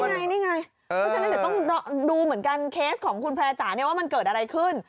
นี่ไงเพราะฉะนั้นเดี๋ยวต้องดูเหมือนกันเคสของคุณพระอาจารย์เนี่ยว่ามันเกิดอะไรขึ้น